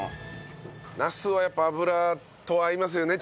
なすはやっぱ油と合いますよね。